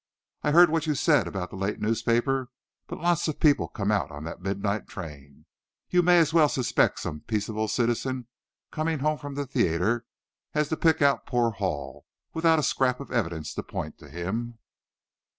I heard what you said about the late newspaper, but lots of people come out on that midnight train. You may as well suspect some peaceable citizen coming home from the theatre, as to pick out poor Hall, without a scrap of evidence to point to him."